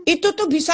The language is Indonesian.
itu tuh gini ya